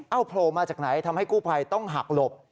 เอาโผล่มาจากไหนทำให้กู้ภัยต้องหักหลบ